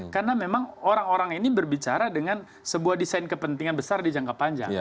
karena memang orang orang ini berbicara dengan sebuah desain kepentingan besar di jangka panjang